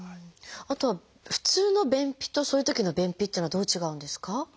あとは普通の便秘とそういうときの便秘っていうのはどう違うんですか？